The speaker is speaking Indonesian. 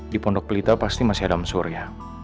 di pondok pelita pasti masih ada mesur ya